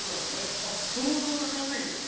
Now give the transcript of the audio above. あっ銅像建ちませんよ